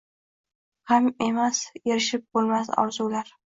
Gam emas erishib bulmas orzular